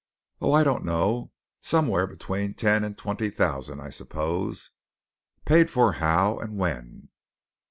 "Oh, I don't know. Somewhere between ten and twenty thousand, I suppose." "Paid for how, and when?"